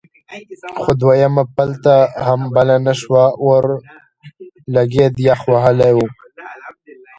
خو دویمه پلته هم بله نه شوه اورلګید یخ وهلی و.